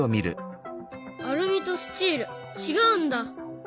アルミとスチール違うんだ？